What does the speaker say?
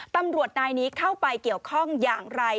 ตำรวจนายนี้เข้าไปเกี่ยวข้องอย่างไร